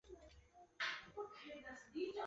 许衡生于金卫绍王大安元年九月丙寅。